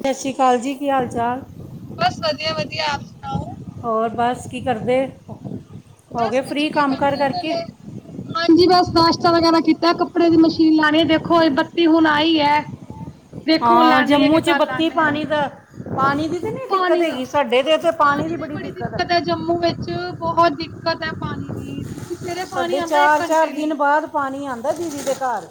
ਸਤਿ ਸ਼੍ਰੀ ਅਕਾਲ ਜੀ, ਕੀ ਹਾਲ ਚਾਲ। ਬਸ ਵਧੀਆਂ -ਵਧੀਆਂ ਆਪ ਸੁਣਾਓ। ਹੋਰ ਬਸ ਕੀ ਕਰਦੇਂ। ਬਸ ਕੁੱਛ ਨੀਂ ਬੈਠੇਂ ਵਿਹਲੇ। ਹਾਂਜੀ ਬਸ ਨਾਸ਼ਤਾ ਵਗ਼ੈਰਾ ਕੀਤਾਂ, ਕੱਪੜੇ ਦੀ ਮਸ਼ੀਨ ਲਾਣੀ ਐ, ਦੇਖੋ ਇਹ ਬੱਤੀ ਹੁਣ ਆਈਂ ਐ। ਵੇਖੋਂ ਹੁਣ ਹਾਂ ਲਾਂਨੀ ਆ ਕਿ ਜੰਮੂ 'ਚ ਕੱਲ ਬੱਤੀ ਲਾਨੇ ਆ। ਪਾਣੀ ਦਾ ਪਾਣੀ ਦੀ ਤੇ ਨਹੀਂ ਦਿੱਕਤ ਪਾਣੀ ਦਾ ਹੈਗੀ ਸਾਡੇ ਤੇ ਇੱਥੇ ਪਾਣੀ ਦੀ ਬੜੀ ਹੈ ਦਿੱਕਤ ਐ ਜੰਮੂ ਵਿੱਚ ਬਹੁਤ ਦਿੱਕਤ ਐ ਪਾਣੀ ਦੀ ਸੱਚੀਂ ਸਵੇਰੇ ਪਾਣੀ ਸਾਡੇ ਆਂਦਾ ਇੱਕ ਘੰਟੇ ਦਿਨ ਲੀ। ਬਾਅਦ ਪਾਣੀ ਆਂਦਾ ਦੀਦੀ ਦੇ ਘਰ।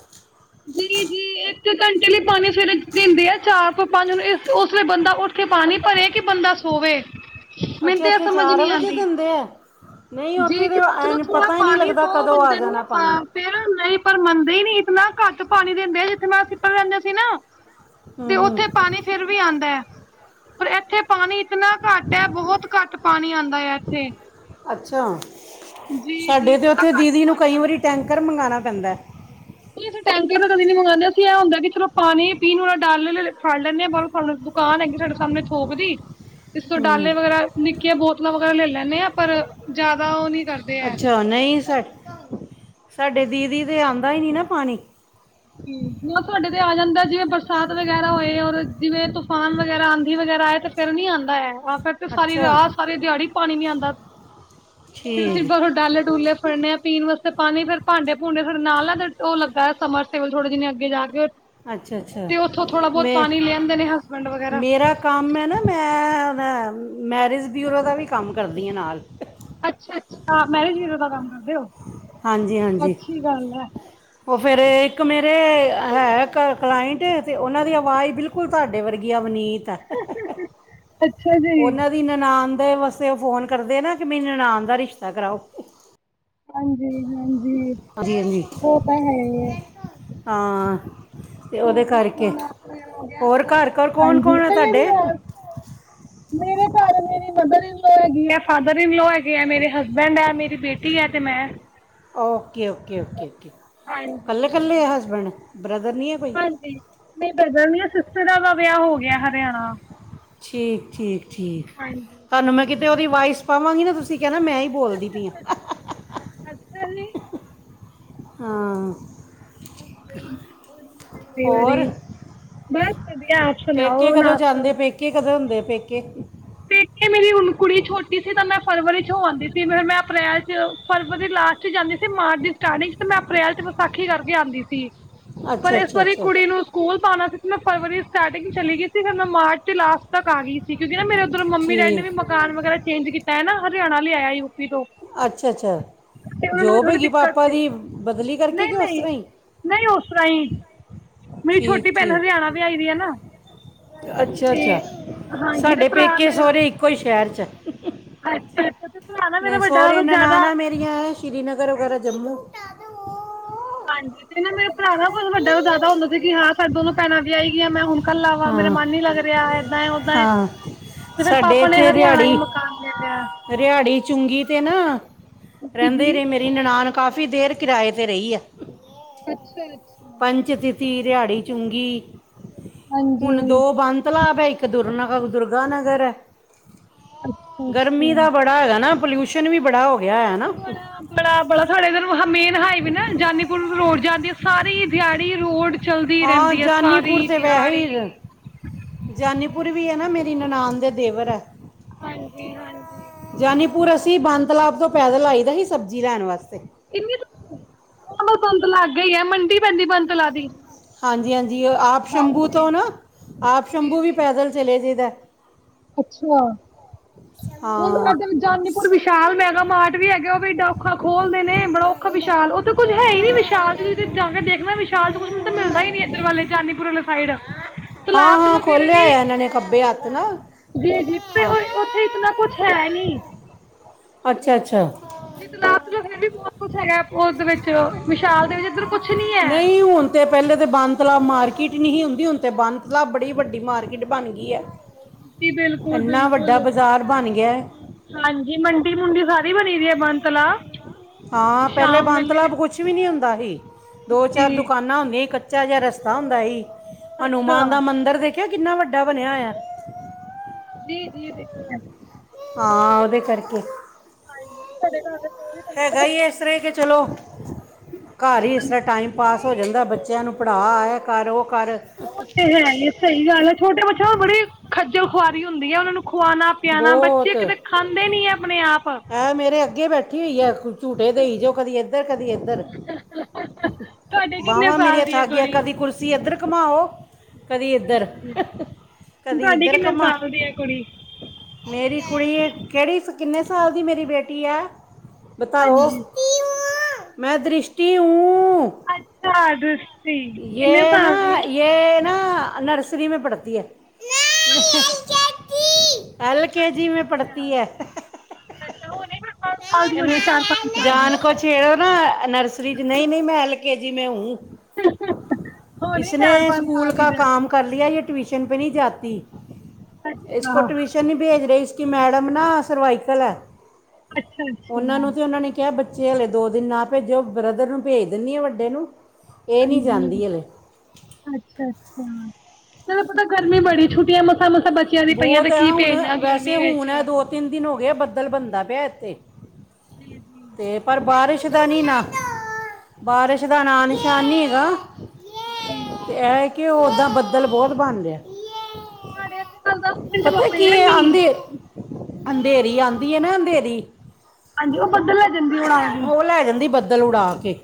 ਜੀ-ਜੀ ਇੱਕ ਘੰਟੇ ਲਈ ਪਾਣੀ ਸਵੇਰੇ ਦਿੰਦੇ ਆ, ਚਾਰ ਤੋਂ ਪੰਜ ਨੂੰ ਉਸ ਵੇਲੇ ਬੰਦਾਂ ਉੱਠ‍ ਕੇ ਪਾਣੀ ਭਰੇ ਕਿ ਬੰਦਾਂ ਸੋਵੇ, ਮੈਂਨੂੰ ਅੱਛਾ ਤੇ ਇਹ ਇੱਥੇ ਸਮਝ ਨੀ ਵਜੇ ਆਂਦੀ। ਦਿੰਦੇ ਆ ਨਹੀਂ ਜੀ ਉੱਥੇ ਕਿ ਤੇ ਜੋਂ ਚਲੋਂ ਐਨ ਥੋੜਾ ਪਤਾ ਹੀ ਨਹੀਂ ਪਾਣੀ ਲੱਗਦਾ ਦੋ ਕਦੋਂ ਆ ਬੰਦੇ ਨੂੰ ਜਾਣਾ ਪਾਣੀ ਅ ਫਿਰ ਨਹੀਂ ਪਰ ਮੰਨਦੇ ਹੀ ਨੀ ਇਤਨਾ ਘੱਟ ਪਾਣੀ ਦਿੰਦੇ ਜਿੱਥੇ ਮੈਂ ਅਸੀਂਪਰ ਰਹਿੰਦੇ ਸੀ ਨਾ ਹੂੰ ਤੇ ਉੱਥੇ ਹੂੰ ਪਾਣੀ ਫਿਰ ਵੀ ਆਦਾ ਐ, ਪਰ ਇੱਥੇ ਪਾਣੀ ਇਤਨਾ ਘੱਟ ਹੈ ਬਹੁਤ ਘੱਟ ਪਾਣੀ ਆਂਦਾ ਹੈ ਐਥੇ। ਅੱਛਾ, ਜੀ ਸਾਡੇ ਤੇ ਬੜਾ ਉੱਥੇ ਘੱਟ ਦੀਦੀ ਨੂੰ ਪਾਣੀ ਕਈ ਆਂਦਾ ਵਾਰੀ ਹੈ। ਟੈਂਕਰ ਮੰਗਾਣਾ ਪੈਂਦਾਂ। ਨਹੀਂ ਅਸੀਂ ਟੈਂਕਰ ਤਾਂ ਕਦੇ ਨੀ ਮੰਗਾਦੇ ਅਸੀਂ ਇਹ ਹੁੰਦਾ ਚਲੋ ਪਾਣੀ ਪੀਣ ਵਾਲਾ ਡਾਲੇ ਫੜ ਲੈਂਦੇ ਹਾਂ ਬਰਫ ਵਾਲੇ ਤੋਂ ਦੁਕਾਨ ਹੈਗੀ ਸਾਡੇ ਸਾਹਮਣੇ ਥੋਕ ਦੀ। ਇਸ ਤੋਂ ਹੂੰ ਡਾਲੇ ਵਗ਼ੈਰਾ ਨਿੱਕੀਆਂ ਬੋਤਲਾਂ ਵਗ਼ੈਰਾ ਲੈ ਲੈਂਦੇ ਆਂ ਪਰ ਜ਼ਿਆਦਾ ਉਹ ਨਹੀਂ ਕਰਦੇਂ। ਅੱਛਾ, ਨਹੀਂ ਸਾ ਸਾਡੇ ਦੀਦੀ ਦੇ ਆਂਦਾ ਹੀ ਨਹੀਂ ਨਾ ਪਾਣੀ। ਨਾ ਸਾਡੇ ਤੇ ਆ ਜਾਂਦਾ ਜਿਵੇਂ ਬਰਸਾਤ ਵਗੈਰਾ ਹੋਏ ਔਰ ਜਿਵੇਂ ਤੂਫਾਨ ਵਗੈਰਾ ਆਂਧੀ ਵਗੈਰਾ ਆਏ ਤੇ ਫਿਰ ਨੀ ਆਂਦਾ ਹੈ, ਆਹ ਫਿਰ ਤੇ ਸਾਰੀ ਅੱਛਾ ਰਾਤ ਸਾਰੀ ਦਿਹਾੜੀ ਪਾਣੀ ਨੀ ਆਦਾ ਫੇਰ ਅਸੀਂ ਠੀਕ ਬਾਹਰੋ ਡਾਲੇ ਡੂਲੇ ਫਰਨੇ ਆ ਪੀਣ ਵਾਸਤੇ ਪਾਣੀ ਫੇਰ ਭਾਂਡੇ ਭੂੰਡੇ ਫ਼ੇਰ ਨਾਲ ਉਹ ਲੱਗਾ ਏ ਸਮਰ ਕੇਵਲ ਥੋੜੀ ਜਿਨ ਅੱਗੇ ਜਾ ਕੇ ਅੱਛਾ ਅੱਛਾ ਤੇ ਉੱਥੋਂ ਥੋੜਾ ਬਹੁਤ ਮੈਂ ਪਾਣੀ ਲੇ ਆਂਦੇ ਨੇ ਹਸਬੈਂਡ ਵਗ਼ੈਰਾ। ਮੇਰਾ ਕੰਮ ਐ ਨਾ ਮੈਂ ਮੈਰਿਜ ਬਿਊਰੋ ਦਾ ਵੀ ਕੰਮ ਕਰਦੀ ਆ ਨਾਲ। ਅੱਛਾ -ਅੱਛਾ ਮੈਰਿਜ ਵੀਰੋ ਦਾ ਕੰਮ ਕਰਦੇ ਔ। ਹਾਂਜੀ- ਹਾਂਜੀ। ਉਹ ਫਿਰ ਇੱਕ ਮੇਰੇ ਹੈ ਕ ਕਲਾਇੰਟ ਤੇ ਉਹਨਾਂ ਦੀ ਆਵਾਜ਼ ਬਿਲਕੁਲ ਤੁਹਾਡੇ ਵਰਗੀ ਆ ਅਵਨੀਤ ਅੱਛਾ ਜੀ ਉਹਨਾਂ ਦੀ ਨਨਾਣ ਦੇ ਵਾਸਤੇ ਉਹ ਫ਼ੋਨ ਕਰਦੇ ਨਾ ਕਿ ਮੇਰੀ ਨਨਾਣ ਦਾ ਰਿਸ਼ਤਾ ਕਰਾਓ। ਹਾਂਜੀ- ਹਾਂਜੀ ਹਾਂਜੀ ਹਾਂਜੀ ਉਹ ਤਾਂ ਹੈ ਐ। ਹਾਂ ਅਤੇ ਉਹਦੇ ਕਰਕੇ ਹੋਰ ਘਰ -ਘਰ ਕੌਣ- ਕੌਣ ਆ ਤੁਹਾਡੇ। ਮੇਰੇ ਘਰ ਮੇਰੀ ਮਦਰ ਹੀ ਹੈਗੀ ਮ ਫਾਦਰ ਇਨਲੋ ਹੈਗੇ ਹੈ ਮੇਰੇ ਹਸਬੈਂਡ ਹੈ ਮੇਰੀ ਬੇਟੀ ਹੈ ਤੇ ਮੈਂ ਓਕੇ ਓਕੇ ਓਕੇ ਓਕੇ ਕੱਲੇ ਕੱਲੇ ਆ ਹਸਬੈਂਡ ਬ੍ਰਦਰ ਨਹੀਂ ਹੈ ਕੋਈ ਨਹੀਂ ਬ੍ਰਦਰ ਨੀ ਆ ਸਿਸਟਰ ਐ ਓ ਦਾ ਵਿਆਹ ਹੋ ਗਿਆ ਹਰਿਆਣਾ ਠੀਕ ਠੀਕ ਠੀਕ ਹਾਂਜੀ ਤੁਹਾਨੂੰ ਮੈਂ ਕਿਤੇ ਉਹਦੀ ਵਇਸ ਪਾਵਾਂਗੀ ਨਾ ਤੁਸੀਂ ਕਹਿਣਾ ਮੈਂ ਹੀ ਬੋਲਦੀ ਪਈ ਹਾਂ ਅੱਛਾ ਜੀ ਹਾਂ ਵ ਹੋਰ ਬਸ ਵਧੀਆ ਆਪ ਸੁ ਨਾ ਹੋ ਪੇਕੇ ਓ ਨਾ ਕਦੋਂ ਆਪੋ ਜਾਂਦੇ ਪੇਕੇ ਕਦੇ ਹੁੰਦੇ ਪੇਕੇ ਪੇਕੇ ਮੇਰੇ ਹੁਣ ਕੁੜੀਛੋਟੀ ਸੀ ਤਾਂ ਮੈਂ ਫਰਵਰੀ ਚ ਹੋ ਆਉਂਦੀ ਸੀ ਫਿਰ ਮੈਂ ਅਪ੍ਰੈਲ ਚ ਫਰਵਰੀ ਲਾਸਟ ਚ ਜਾਂਦੀ ਸੀ ਮਾਰਚ ਸਟਾਰਟਿੰਗ ਤੇ ਮੈਂ ਅਪ੍ਰੈਲ ਚ ਵਿਸਾਖੀ ਕਰਕੇ ਆਉਂਦੀ ਸੀ ਪਰ ਅੱਛਾ ਇਸ ਅੱਛਾ ਵਾਰੀ ਅੱਛਾ ਕੁੜੀ ਨੂੰ ਸਕੂਲ ਪਾਉਣਾ ਸੀ ਮੈਂ ਫਰਵਰੀ ਸਟਾਰਟਿੰਗ ਚਲੀ ਗਈ ਸੀ ਫਿਰ ਮਾਰਚ ਤੇ ਲਾਸਟ ਤੱਕ ਆ ਗਈ ਸੀ ਕਿਉਂਕਿ ਨਾ ਮੇਰੇ ਉਧਰ ਮੰਮੀ ਡੈਡੀ ਨੇ ਵੀ ਠੀਕ ਮਕਾਨ ਵਗੈਰਾ ਚੇਂਜ ਕੀਤਾ ਹੈ ਨਾ ਹਰਿਆਣਾ ਲੇ ਆਇਆ ਸੀ ਅੱਛਾ ਅੱਛਾ ਉਹਨਾਂ ਨੂੰ ਵੀ ਜੋਬ ਥੋੜੀ ਹੈਗੀ ਦਿੱਕਤ ਪਾਪਾ ਸੀ ਦੀ ਬਦਲੀ ਕਰਕੇ ਨਹੀਂ ਕਿ ਉਸ ਨਹੀਂ ਤਰ੍ਹਾਂ ਹੀ ਨਹੀਂ ਉਸ ਤਰ੍ਹਾਂ ਹੀ ਮੇਰੀ ਛੋਟੀ ਠੀਕ ਭੈਣ ਠੀਕ ਹਰਿਆਣਾ ਵਿਆਈ ਦੀ ਆ ਨਾ ਅੱਛਾ ਅੱਛਾ ਹਾਂਜੀ ਤੇ ਸਾਡੇ ਭਰਾ ਪੇਕੇ ਮੇਰਾ ਸਹੁਰੇ ਇੱਕੋ ਹੀ ਸ਼ਹਿਰ 'ਚ ਆ ਅੱਛਾ ਅੱਛਾ ਤੇ ਭਰਾ ਨਾ ਮੇਰਾ ਵੱਡਾ ਸਹੁਰੇ ਵ ਜ਼ਿਆਦਾ ਨਨਾਣਾ ਸ਼੍ਰੀਨਗਰ ਵਗੈਰਾ ਜਮੂ ਹਾਂਜੀ ਤੇ ਨਾ ਮੇਰੇ ਭਰਾ ਦਾ ਕੋ ਵੱਡਾ ਜਾਦਾ ਹੁੰਦਾ ਸੀ ਹਾਂ ਸਾਡੇ ਦੋ ਭੈਣਾਂ ਵਿਆਈ ਗੀਆਂ ਮੈਂ ਹੁਣ ਕੱਲਾ ਵਾ ਮੇਰਾ ਹਾਂ ਮਨ ਹੀ ਲੱਗ ਰਿਹਾ ਏਦਾਂ ਏ ਓਦਾਂ ਏ ਹਾਂ ਤੇ ਫੇਰ ਸਾਡੇ ਪਾਪਾ ਨੇ ਇੱਥੇ ਹਰਿਆਣਾ ਹੀ ਰਿਹਾੜੀ ਮਕਾਨ ਲੈ ਲਿਆ ਰਿਹਾੜੀ ਚੁੰਗੀ ਹ ਜੀ ਨਨਾਾਨ ਕਾਫ਼ੀ ਦੇਰ ਕਿਰਾਏ ਤੇ ਰਹੀ ਆ ਪੰਚ ਫ ਰਿਹਾੜੀ ਚੂੰਗੀ ਹੁਣ ਦੋ ਬਾਨ ਤਲਾਬ ਹੈਏ ਦੁਰਨਾਗ ਦੁਰਗਾ ਨਗਰ ਹੈ ਗਰਮੀ ਦਾ ਬੜਾ ਹੈਗਾ ਨਾ ਪੋਲਿਊਸ਼ਨ ਵੀ ਬੜਾ ਹੋ ਗਿਆ ਹੈ ਨਾ ਬਾ ਬੜਾ ਬੜਾ ਤੁਹਾਡੇ ਇਧਰ ਨੂੰ ਮੇਨ ਹਾਈਵੇ ਨਾ ਜਾਨੀਪੁਰ ਨੂੰ ਰੋਡ ਜਾਂਦੀ ਸਾਰੀ ਦਿਹਾੜੀ ਰੋਡ ਚੱਲਦੀ ਹਾਂ ਰਹਿੰਦੀ ਹੈ ਜਾਨੀਪੁਰ ਸਾਰੀ ਤੇ ਵੈਸੇ ਦਿਹਾੜੀ ਹੀ ਰ- ਜਾਨੀਪੁਰ ਵੀ ਹੈ ਨਾ ਮੇਰੀ ਨਨਾਾਨ ਦਾ ਦੇਵਰ ਹੈ ਹਾਂਜੀ ਹਾਂਜੀ ਜਾਨੀਪੁਰ ਅਸੀਂ ਬਾਨ ਤਲਾਬ ਤੋਂ ਪੈਦਲ ਆਈ ਦਾ ਸੀ ਸਬਜ਼ੀ ਲੈਣ ਵਾਸਤੇ ਇਨੀ ਦੂਰੋਂ, ਔ ਨੋ ਬੰਦ ਲਾਗੇ ਈ ਐ, ਮੰਡੀ ਪੈਂਦੀ ਬੰਤ ਲਾ ਦੀ। ਹਾਂਜੀ ਹਾਂਜੀ ਆਪ ਸ਼ੰਭੂ ਤੋਂ ਨਾ ਆਪ ਸ਼ੰਭੂ ਵੀ ਪੈਦਲ ਚਲੇ ਜਈਦਾ ਅੱਛਾ ਹੁਣ ਹਾਂ ਅਗਰ ਜ ਜਾਨੀਪੁਰ ਵਿਸ਼ਾਲ ਮੈਗਾ ਮਾਰਟ ਵੀ ਹੈਗੈ, ਓਹ ਵੀ ਇਡਾ ਔਖਾ ਖੋਲਦੇ ਨੇ, ਬੜਾ ਔ ਖਾ ਵਿਸ਼ਾਲ ਓਥੇ ਤੇ ਕੁੱਝ ਹੈ ਈ ਨੀ ਵਿਸ਼ਾਲ ਚ ਜਜ ਜਾ ਕੇ ਦੇਖਣਾ ਵਿਸ਼ਾਲ ਤੇ ਹੁਣ ਤਾਂ ਮਿਲਦਾ ਈ ਨੀ, ਏਧਰ ਵਾਲੇ ਜਾਨੀਪੁਰ ਅਲੇ ਸਾਈਡ। ਹਾਂ ਤਲਾਬ ਚਲੋ ਹਾਂ, ਖੋਲਿਆ ਹੋਏਐ ਐਨਾਂ ਨੇ ਖੱਬੇ ਹੱਥ ਨਾ। ਜੇ ਜੀ ਪੇ ਹਾਂ ਓਥੇ ਇਤਨਾ ਕੁਛ ਹੈ ਨੀ। ਅੱਛਾ, ਅੱਛਾ। ਜੀਤਲਾਬ ਚ ਫੇਰ ਵੀ ਬੌਤ ਕੁਛ ਹੈਗੈ, ਓਹਦੇ ਵਿੱਚ ਵਿਸ਼ਾਲ ਦੇ ਵਿੱਚ ਇਧਰ ਨਹੀਂ ਹੁਣ ਤੇ ਪੈਲੇ ਤੇ ਬਣ ਤਲਾਬ ਮਾਰਕੀਟ ਨੀ, ਹੀ ਹੁੰਦੀ, ਹੁਣ ਤੇ ਬਣ ਤਲਾਬ ਬੜੀ ਵੱਡੀ ਮਾਰਕੀਟ ਬਣ ਗੀ ਐ। ਐਨਾ ਵੱਡਾ ਬਜ਼ਾਰ ਬਣ ਗਿਐ। ਹਾਂਜੀ, ਮੰਡੀ-ਮੁੰਡੀ ਸਾਰੀ ਬਣੀ ਦੀ ਏ, ਬਣ-ਤਲਾਅ। ਹਾਂ, ਪੈਲੇ ਬਣ-ਤਲਾਬ ਕੁਛ ਵੀ, ਨੀ ਹੁੰਦਾ ਹੀ। ਜੀ ਦੋ-ਚਾਰ ਦੁਕਾਨਾਂ ਹੁੰਦੀਆਂ ਹੀ ਕੱਚ ਕੱਚਾ ਜਾ, ਰਸਤਾ ਹੁੰਦਾ ਹੀ। ਅੱਛਾ ਹਨੂੰਮਾਨ ਦਾ ਮੰਦਰ ਦੇਖਿਆ ਕਿੰਨਾ ਵੱਡਾ ਬਣਿਆ ਹੋਇਆ! ਜੀ-ਜੀ, ਦੇਖਿਐ। ਹਾਂ, ਓਦੇ ਕਰਕੇ ਹਾਂਜੀ, ਸਾਡੇ ਘਰ ਦੇ, ਕੋਲ ਈ ਹੈਗਾ ਈ ਐਸ ਤਰ੍ਹੈ ਕਿ ਚਲੋ ਘਰ ਹੀ ਇਸ ਹਾਂਜੀ ਤਰ੍ਹਾਂ ਟਾਈਮ ਪਾਸ ਹੋ, ਜਾਂਦਾ ਬੱਚਿਆਂ ਨੂੰ ਪੜ੍ਹਾ, ਐ ਕਰ, ਓਹ ਕਰ। ਉਹ ਤੇ ਹੈ ਈ ਏ, ਸਹੀ ਗੱਲ ਐ। ਛੋਟੇ ਬੱਚੇਆ ਨੂੰ ਬੜੀ ਖੱਜਲ ਖੁਆਰੀ ਹੁੰਦੀ ਆ, ਔਨਾ ਨੂੰ ਖਵਾਣਾ-ਪਿਆਣਾ ਬੱਚੇ ਬਹੁਤ ਇੱਕ ਤੇ ਖਾਂਦੇ ਨੀ ਐ ਆਪਣੇ ਆਪ। ਐਂ ਮੇਰੇ ਅੱਗੇ ਬੈਠੀ ਹੋਈ ਐ। ਕੁ ਝੂਟੇ ਦੇਈ ਜੋ ਕਦੀ ਏਧਰ ਕਦੀ ਏਧਰ। ਤੁਹਾਡੇ ਕਿੰਨੇ ਬਾਵਾਂ ਸਾਲ ਮੇਰੀਆਂ ਦੀ ਹੈ ਥਕ ਗਈਐਂ, ਕੁੜੀ ਕਦੀ ਕੁਰਸੀ ਏਧਰ ਘੁਮਾਓ ਕਦੀ ਇੱਧਰ ਹਾਂਜੀ। ਕਦੀ ਤੁਹਾਡੀ ਇੱਧਰ ਕਿੰਨੇ ਘਮਾ ਸਾਲ ਦੀ ਹੈ ਕੁੜੀ। ਮੇਰੀ ਕੁੜੀ ਕੇੜੀ ਸ ਕਿੰਨੇ ਸਾਲ ਦੀ, ਮੇਰੀ ਬੇਟੀ ਆ? ਬਤਾਓ। ਹਾਂਜੀ ਮੈਂ ਦ੍ਰਿਸ਼ਟੀ ਉਂ। ਅੱਛਾ ਦ੍ਰਿਸ਼ਟੀ, ਕਿੰਨੇ ਸਾਲ ਦੀ ਏ? ਯੇ ਨਾ ਨਰਸਰੀ ਮੈਂ ਪੜ੍ਹਤੀ ਐ। ਅੱਛਾ ਐਲ ਕੇ ਜੀ ਮੈਂ ਪੜ੍ਹਤੀ ਅੱਛਾ ਐ। ਅੱਛਾ ਹੋਣੀ ਫਿਰ ਪੰਜ ਸਾਲ ਦੀ ਏਨੂੰ ਹੋਣੀ ਚਾਰ ਪੰਜ ਸਾਲ ਦੀ ਜਾਨ ਕੋਛ ਤੇ ਓ ਨਾ ਨਰਸਰੀ ਚ, ਨਹੀਂ-ਨਹੀਂ, ਮੈਂ ਐਲ ਕੇ ਜੀ ਮੈਂ ਹੂ। ਹੋਣੀ ਚਾਰ ਇਸਨੇ ਪੰਜ ਸਕੂਲ ਸਾਲ ਦੀ ਕਾ ਫਿਰ ਕਾਮ ਕਰ ਲਿਆ, ਯੇ ਟਵੀਸ਼ਨ ਪੇ ਨੀ ਜਾਤੀ। ਇਸ ਕੋ ਅੱਛਾ ਟਵੀਸ਼ ਨੀ ਭੇਜ ਰੇ ਇਸ ਕਿ ਮੈਡਮ ਨਾ ਸਰਵਾਈਕਲ ਐ। ਅੱਛਾ ਓਨਾਂ ਅੱਛਾ ਨੂੰ ਤੇ ਓਨਾਂ ਨੇ ਕਿਐ ਬੱਚੇ ਹਲੇ ਦੋ ਦਿਨ ਨਾ ਭੇਜੋ, ਬ੍ਰਦਰ ਨੂੰ ਭੇਜ ਦਿਨੀ ਆਂ ਵੱਡੇ ਨੂੰ। ਏਹ ਨੀ ਜਾਂਦੀ ਹਲੇ। ਅੱਛਾ, ਅੱਛਾ। ਫੇਰ ਔ ਪਤਾ ਗਰਮੀ ਬੜੀ ਛੁੱਟੀਆਂ ਮਸਾਂ-ਮਸਾਂ ਬੱਚਿਆਂ ਦੀ ਪਈਆਂ ਬਹੁਤ ਤੇ ਕੀ ਪੇਜਣਾ ਗਰਮੀ ਵਿਚ। ਤਿੰਨ ਦਿਨ ਹੋਗੇ ਐ ਬੱਦਲ ਬਣਦਾ ਪਿਐ ਐਥੇ। ਤੇ ਪਰ ਬਾਰਿਸ਼ ਦਾ ਨੀ ਨਾ ਬਾਰਿਸ਼ ਦਾ ਨਾਮ ਨਿਸ਼ਾਨ ਨਹੀਂ ਹੈਗਾ। ਜੀ। ਤੇ ਐਹ ਏ, ਕਿ ਓਦਾ ਬੱਦਲ ਬੋਤ ਬਣ ਰਿਐ। ਸਾਡੇ ਇੱਥੇ ਕੱਲ ਦਸ ਮਿੰਟ ਵਾ ਪਤਾ ਕੀ ਪਿਆ ਏ, ਮੀਂਹ, ਆਦੇ ਅੰਧੇਰੀ ਆਦੀ ਏ, ਨਾ ਅੰਧੇਰੀ। ਹਾਂਜੀ ਉਹ ਬੱਦਲ ਲੈ ਜਾਂਦੀ ਉਡਾ ਕੇ। ਉਹ ਲੈ ਜਾਂਦੀ ਏ ਬੱਦਲ ਉਡਾ ਕੇ।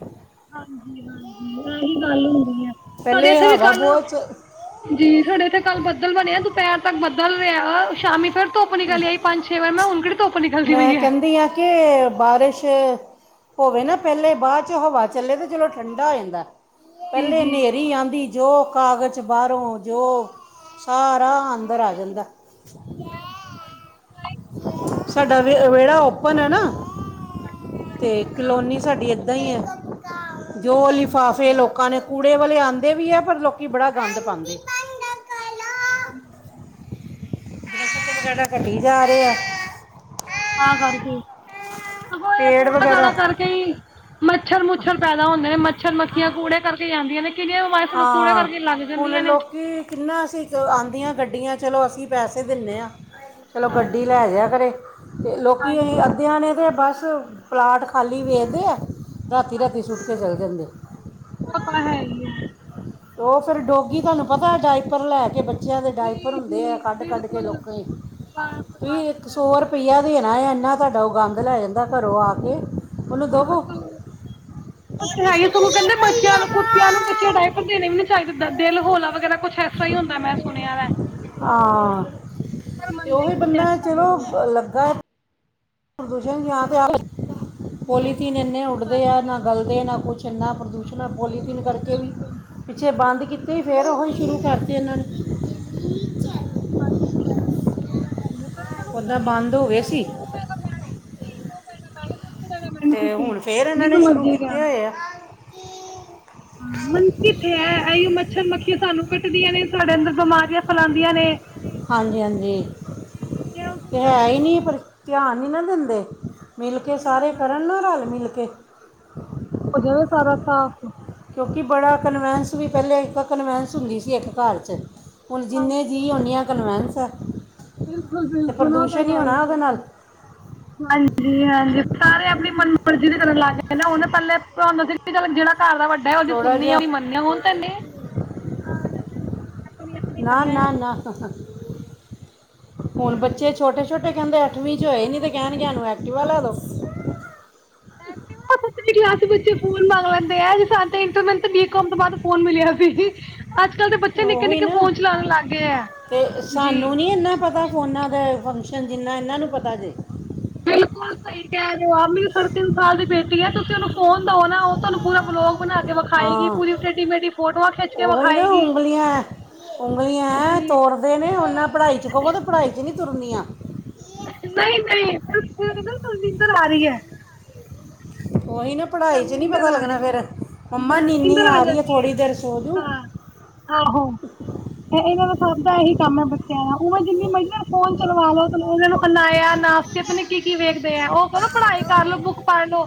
ਹਾਂਜੀ-ਹਾਂਜੀ, ਆਹੀ ਗੱਲ ਹੁੰਦੀ ਆ ਸਾਡੇ ਪਹਿਲੇ ਇੱਥੇ ਵੀ ਹਵਾ ਕੱਲ ਬਹੁਤ ਚ- ਜੀ ਸਾਡੇ ਇੱਥੇ ਕੱਲ ਬੱਦਲ ਬਣੇਐ। ਦੁਪੈਰ ਤੱਕ ਬੱਦਲ ਰਿਐ ਸ਼ਾਮੀ ਫੇਰ ਦ ਧੁੱਪ ਨਿਕਲ ਆਈ ਪੰਜ-ਛੇ ਵਜੇ, ਮੈਂ ਹੁਣ ਕੇੜੀ ਧੁੱਪ ਨਿਕਲਦੀ ਪਈ ਐ। ਤੇ ਬਾਰਸ਼ ਹੋਵੇ ਨਾ ਪੈਲੇ, ਬਾਦ ਚੋਂ ਹਵਾ ਚੱਲੇ ਤਾਂ ਫਿਰ ਉਹ ਠੰਡਾ ਹੋ ਜਾਂਦਾ। ਪਹਿਲੇ ਜੀ-ਜੀ, ਹਨੇਰੀ ਆਉਂਦੀ ਜੋ, ਕਾਗਜ਼ ਬਾਹਰੋਂ ਜੋ ਸਾਰਾ ਅੰਦਰ ਆ ਜਾਂਦਾ ਸਾਡਾ ਵਿਹੜਾ ਓਪਨ ਹੈ ਨਾ ਤੇ ਕਲੋਨੀ ਸਾਡੀ ਏਦਾਂ ਹੀ ਏ। ਜੋ ਲਿਫਾਫੇ ਲੋਕਾਂ ਨੇ ਕੂੜੇ ਵਾਲੇ ਆਂਦੇ ਵੀ ਹੈ ਪਰ ਲੋਕੀ ਬੜਾ ਗੰਦ ਪਾਂਦੇ ਨੇ। [inaudible] ਜੜਾ ਕੱਢੀਜਾ ਰਿਹਾ ਆ [inaudible] ਤਾਂ ਕਰਕੇ ਸਗੋ ਇਹ ਪੇੜ ਕੂੜਾ- ਕੜਾ ਵਗੈਰਾ ਕਰਕੇ ਹੀ ਮੱਛਰ- ਮੁੱਛਰ ਪੈਦਾ ਹੁੰਦੇ ਨੇ ਮੱਛਰ -ਮੱਛਰ ਕੂੜੇ ਕਰਕੇ ਜਾਂਦੀਆਂ ਨੇ ਕਿਹੜੀਆਂ ਬਿਮਾਰੀਆਂ ਸਾਨੂੰ ਕੂੜੇ ਕਰਕੇ ਲੱਗ ਜਾਂਦੀਆਂ ਨੇ ਕਿਨਾ ਅਸੀਂ ਆਨਦੀਆ ਗੱਡੀਆਂ ਚਲੋ ਅਸੀਂ ਪੈਸੇ ਦਿੰਦੇ ਹਾਂ ਚਲੋ ਗੱਡੀ ਲੈ ਆਇਆ ਤੇ ਕਰ੍ਹੇਲੋਕੀ ਅੱਧੇਆ ਨੇ ਤਾਂ ਬਸ ਪਲਾਟ ਖਾਲੀ ਵੇਖਦੇ ਆ ਰਾਤੀ- ਰਾਤੀ ਸੁਟ ਕੇ ਚਲੇ ਜਾਂਦੇ ਏ। ਉਹ ਤਾਂ ਹੈ ਹੀ ਏ। ਉਹ ਫੇਰ ਡੋਗੀ ਤੁਹਾਨੂੰ ਪਤਾ ਡਾਇਪਰ ਲੈ ਕੇ ਬ ਬੱਚਿਆਂ ਦੇ ਡਾਇਫਰ ਹੁੰਦੇ ਆ, ਕੱਢ- ਕੱਢ ਕੇ ਲੋਕੇ ਵੀ ਇੱਕ ਸੌ ਰੁਪ ਪਈਆ ਦੀ ਨਾ ਏ ਇੰਨਾ ਤੁਹਾਡਾ ਉਹ ਗੰਦ ਲੈ ਜਾਂਦਾ ਘਰੋਂ ਆ ਕੇ ਉਹਨੂੰ ਦੇਵੋ ਓ ਤਾਂ ਹੈ ਹੀ ਐ। ਕਹਿੰਦੇ ਬੱਚਿਆਂ ਨੂੰ ਕੁੱਤਿਆਂ ਨੂੰ ਬੱਚੇ ਡਾਈਪਰ ਦੇਣੇ ਵੀ ਨੀ ਚਾਹੀਦੇ ਦਿਲ ਹੋਲਾ ਵਗੈਰਾ ਕੁਛ ਐਸਾ ਹੀ ਹੁੰਦਾ ਮੈਂ ਸੁਣਿਆ ਵੈ। ਹਾਂ ਪਰ ਤੇ ਉਹ ਮੰਨਦੇ ਹੀ ਕਿੱਥੇ ਇਸ ਬੰਦਾ ਤਰ੍ਹਾਂ ਦੇ ਲੋਕ ਚਲੋ ਲੱਗਾ ਪ੍ਰਦੁਸੇਸ਼ਨ ਯ ਤੇ ਪੋਲੀਥੀਨ ਇੰਨੇ ਉੱਡਦੇ ਆ ਨਾ ਗਲਦੇ ਨਾ ਕੁਛ ਇੰਨਾ ਪ੍ਰਦੂ ਪੁੱਛਣਾ ਪੋਲੀਥੀਨ ਕਰਕੇ ਵੀ ਪਿੱਛੇ ਬੰਦ ਕੀਤੇ ਫਿਰ ਉਹ ਹੀ ਸ਼ੁਰੂ ਕਰਤੇ ਇਹਨਾਂ ਨੇ ਹਾਂਜੀ -ਹਾਂਜੀ ਉਹ ਕਰ ਲਗੇ ਓਦਾ ਬੰਦ ਹੋ ਗਏ ਸੀ ਉ ਕੇਹੇਗੇ ਮੈਂ ਨੀ ਨੀ ਤੇ ਸੁੱਤੀ ਹੁਣ ਫੇਰ ਇਹਨਾਂ ਨੇ ਜਿਹਨੂੰ ਸ਼ੁਰੂ ਮਰਜ਼ੀ ਕੀਤੇ ਕਹਿਣਾ ਹੋਏ ਏ। ਹੁਨ ਕਿੱਥੇ ਐ? ਇਹੀ ਮੱਛਰ ਮੱਖੀਆਂ ਸਾਨੂੰ ਕੱਟਦੀਆਂ ਨੇ ਸਾਡੇ ਅੰਦਰ ਬਿਮਾਰੀਆਂ ਫੈਲਾਉਂਦੀਆਂ ਨੇ! ਹਾਂਜੀ -ਹਾਂਜੀ! ਜੇ ਉਹ ਤੇ ਹੈ ਸਮਝਾਵੇ ਹੀ ਕੌਣ ਨਹੀਂ ਪਰ ਧਿਆਨ ਨੀ ਨਾ ਦਿੰਦੇ ਮਿਲ ਕਿ ਸਾਰੇ ਕਰਨ ਨਾ ਰਲ- ਮਿਲ ਕੇ ਹੋ ਜੇਗਾ ਸਾਰਾ ਸਾਫ਼? ਕਿਉਂਕਿ ਬੜਾ ਕਨਵੈਂਸ ਵੀਪਹਿੇਲੇ ਇੱਕ ਕਨਵੈਂਸ ਹੁੰਦੀ ਸੀ ਇੱਕ ਘਰ 'ਚ ਹੁਣ ਜਿੰਨੇ ਜੀ ਓਨੀਆਂ ਕਨਵੈਂਸਏ ਐ। ਬਿਲਕੁਲ- ਬਿਲਕੁਲ ਇਹ ਤਾਂ ਹੈ ਹੀ ਨਾਲ ਹੈ! ਹਾਂਜੀ -ਹਾਂਜੀ ਸਾਰੇ ਆਪਣੀ ਮਨ ਮਰਜ਼ੀ ਦੇ ਕਰਨ ਲੱਗ ਗਏ ਨਾ, ਉਹਨੇ ਪਹਿਲੇ ਭਾਨੂੰ ਚ ਜਿਹੜਾ ਘਰ ਦਾ ਵੱਡਾ ਉਹਦੀ ਥੋੜਾ ਸੁਣਨੀ ਜਿਹਾ ਓਦੀ ਮੰਨਨੀਆਂ ਹੋੁਣ ਤੈਨੇ ਆਪਣੀ- ਆਪਣੀ। ਨਾ- ਨਾ -ਨਾ। ਹੁਣ ਬੱਚੇ ਛੋਟੇ- ਛੋਟੇ ਕਹਿੰਦੇ ਅੱਠਵੀਂ ਚ ਹੋਏ ਨੀ ਤੇ ਕਹਿਣਗੇਨੂੰ ਐਕਟਿਵਾ ਲੈ ਦੋ। ਐਕਟੀਵਾ ਦੂਸਰੀ ਕਲਾਸ ਚ ਬੱਚੇ ਫੋਨ ਮੰਗ ਲੈਂਦੇ ਆ, ਸਾਡੇ ਮੈਨੂੰ ਤਾਂ ਬੀਕੌਮ ਤੋਂ ਬਾਅਦ ਫੋਨ ਮਿਲਿਆ ਸੀ। ਅੱਜ- ਕਲ ਦੇ ਬੱਚੇ ਨਿੱਕੇ ਉਹੀ -ਨਿੱਕੇ ਨਾ ਫੋਨ ਚਲਣ ਲੱਗ ਗਏ ਆ ਤੇ ਜੀ! ਸਾਨੂੰ ਨਹੀਂ ਇੰਨਾ ਪਤਾ ਫੋਨਾ ਦੇ ਫੰਕਸ਼ਨ ਜਿੰਨਾ ਇਹਨਾਂ ਨੂੰ ਪਤਾ ਜੇ ਬਿਲਕੁਲ। ਸਹੀ ਕਹਿ ਰਹੇ ਹੋ, ਮੇਰੀ ਸਿਰਫ ਸਾਡੇ ਤਿੰਨ ਸਾਲ ਦੀ ਬੇਟੀ ਹੈ, ਤੁਸੀਂ ਉਹਨੂੰ ਫੋਨ ਦਓ ਨਾ ਉਹ ਤੁਹਾਨੂੰ ਪੂਰਾ ਬਲੋਗ ਬਣਾ ਵਿਖਾਏਗੀ ਹਾਂ ਪੂਰੀ ਟੇਡੀ-ਮੇਡੀ ਫੋਟੋਆਂ ਖਿੱਚ ਕੇ ਉਹੀ ਨਾ ਵਿਖਾਏਗੀ। ਉਂਗਲੀਆਂ ਉਂਗਲੀਆਂ ਐਂ ਤੋਰਦੇ ਨੇ ਉਹਨਾ ਪੜ੍ਹਾਈ ਚ ਕਹੋ ਤੇ ਪੜ੍ਹਾਈ ਚ ਨਹੀਂ ਤੁਰਨਿਆ। ਨਈ ਨਈ [unintelligible] ਇਧਰ ਆ ਰਹੀ ਐ। ਓਹੀ ਨਾ, ਹਾਂ, ਪੜ੍ਹਾਈ ਚ ਨੀ ਨੀਂਦਰ ਪਤਾ ਆ ਲੱਗਣਾ ਰਹੀ ਹੈ ਫੇਰ, ਮੰਮਾ ਨਾ ਨੀਨੀ ਨੀਂਦਰ ਆ ਰੀ ਐ ਜਾਂਦੀ ਹੈ ਥੋੜ੍ਹੀ ਦੇਰ ਸੋਜੂ ਹਾਂ ਆਹੋ, ਇਹਨਾਂ ਦਾ ਸਭ ਦਾ ਇਹੀ ਕੰਮ ਐ ਬੱਚਿਆਂ ਦਾ ਉ ਜਿੰਨੀ ਮਰਜ਼ੀ ਨਾਲ ਫ਼ੋਨ ਚਲਵਾ ਲੋ। ਨੂੰ ਅਨਾਇਆ ਨਾਸਤੇ ਤੋਂ ਪਤਾ ਕੀ ਕੀ ਵੇਖਦੇ ਆ ਉਹ ਕਰੋ, ਪੜ੍ਹਾਈ ਕਰਲੋ, ਬੁੱਕਸ ਪੜ ਲੋ।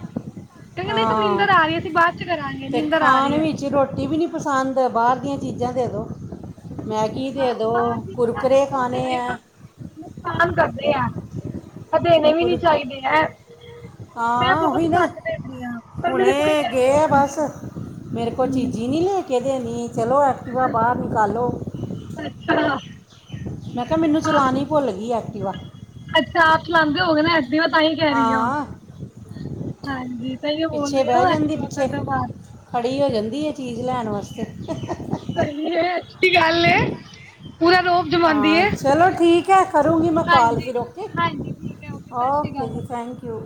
ਕਹਿੰਦੇ ਨਈ ਹਾਂ ਨੀਂਦਰ ਆ ਰੀ ਐ, ਅਸੀਂ ਬਾਅਦ 'ਚ ਕਰਾਂਗੇ ਨੀਂਦਰ ਆ ਰੀ ਐ। ਜੀ ਰੋਟੀ ਵੀ ਨੀ ਪਸੰਦ ਬਾਹਰ ਦੀਆਂ ਚੀਜ਼ਾਂ ਦੇ ਦਿਉ। ਮੈਗੀ ਦੇ ਦਿਉ ਕੁਰਕੁੁਰਰੇ ਖਾਣੇ ਐ। ਨੁਕਸਾਨ ਕਰਦੇ ਐ, ਇਹ ਦੇਣੇ ਵੀ ਨੀ ਕੁਰਕ ਚਾਹੀਦੇ ਐ। ਹਾਂ, ਉਹੀ ਨਾ ਹੁਣੇ ਗਏ ਆ ਬਸ। ਮੇਰੇ ਕੋਲ ਚੀਜੀ ਨੀ ਲੈ ਕੇ ਦੇਣੀ ਚਲੋ ਐਕਟਿਵਾ ਬਾਹਰ ਨਿਕਾਲੋ। ਅੱਛਾ, ਮੈਂ ਕਿਹਾ ਮੈਨੂੰ ਚਲਾਣੀ ਭੁੱਲ ਗਈ ਐਕਟੀਵਾ। ਅੱਛਾ, ਆਪ ਚਲਾਉਦੇ ਹੋਏਗੇ ਨਾ। ਵੀ ਉਹ ਤਾਂਹੀ ਕਹਿ ਰੀ ਆ, ਉਹ ਹਾਂ ਹਾਂਜੀ ਤਾਂਹੀ ਬੋਲ ਰੀ ਨਾ ਐਕਟਿਵਾ ਕੱਢੋ ਬਾਹਰ। ਖੜ੍ਹੀ ਹੋ ਜਾਂਦੀ ਐ ਚੀਜ਼ ਲੈਣ ਵਾਸਤੇ। ਸਹੀ ਏ ਅੱਛੀ ਗੱਲ ਏ, ਪੂਰਾ ਰੋਬ। ਜਮਾਉਂਦੀ ਹਾਂ ਏ। ਚਲੋ ਠੀਕ। ਠੀਕ ਐ, ਕਰੂੰਗੀ ਮੈਂ ਕਾਲ ਫਿਰ ਓਕੇ ਓਕੇ ਜੀ ਥੈਂਕ ਯੂ।